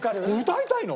歌いたいの？